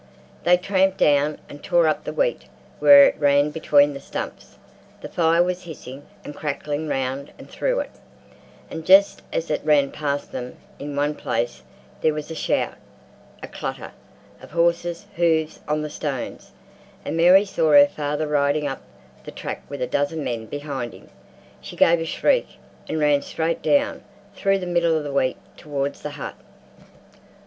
They tramped down and tore up the wheat where it ran between the stumps—the fire was hissing and crackling round and through it, and just as it ran past them in one place there was a shout, a clatter of horses' hoofs on the stones, and Mary saw her father riding up the track with a dozen men behind him. She gave a shriek and ran straight down, through the middle of the wheat, towards the hut.